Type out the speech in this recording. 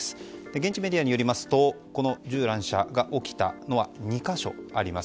現地メディアによりますと銃乱射が起きたのは２か所あります。